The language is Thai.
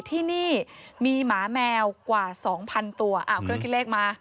ที่นี่มีหมาแมวกว่าสองพันตัวอ้าวเครื่องคิดเลขมา